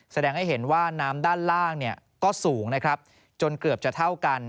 แสดงให้เห็นว่าน้ำด้านล่างก็สูงนะครับจนเกือบจะเท่ากัน